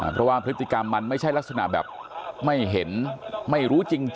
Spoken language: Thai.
เพราะว่าอาระกษณะลักษณะสบายก็เลยไม่เอง